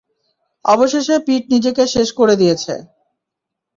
অবশেষে পিট নিজেকে শেষ করে দিয়েছে।